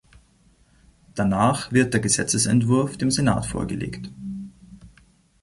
Danach wird der Gesetzesentwurf dem Senat vorgelegt.